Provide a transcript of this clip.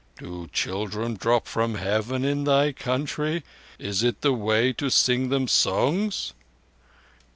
Do children drop from Heaven in thy country? Is it the Way to sing them songs?"